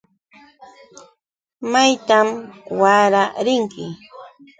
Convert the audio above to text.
¿Maytan wara rinki?